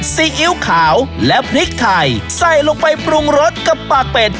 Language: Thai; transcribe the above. ซีอิ๊วขาวและพริกไทยใส่ลงไปปรุงรสกับปากเป็ด